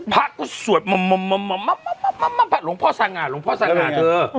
พระกูศวรรษมามามามามมาพัดหลวงพ่อสะหาด